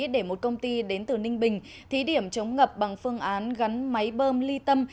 để một công ty đến từ ninh bình thí điểm chống ngập bằng phương án gắn máy bơm ly tâm